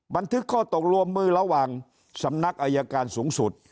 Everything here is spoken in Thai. บันทึกข้อตกลงมือระหว่างสำนักอายการสูงสุด